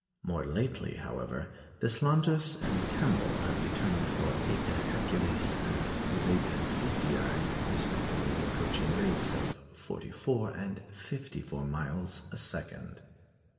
More lately, however, Deslandres and Campbell have determined for Zeta Herculis and Eta Cephei respectively approaching rates of forty four and fifty four miles a second.